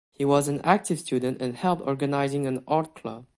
He was an active student and helped organizing an art club.